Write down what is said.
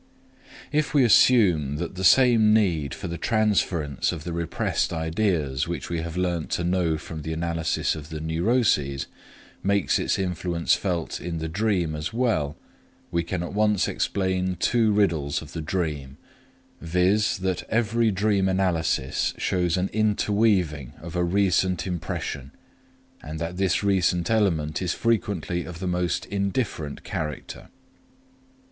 If we assume that the same need for the transference of the repressed ideas which we have learned to know from the analysis of the neuroses makes its influence felt in the dream as well, we can at once explain two riddles of the dream, viz. that every dream analysis shows an interweaving of a recent impression, and that this recent element is frequently of the most indifferent character.